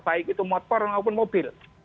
baik itu motor maupun mobil